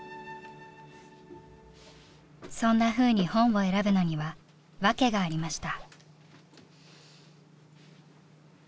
そんなふうに本を選ぶのには訳がありました。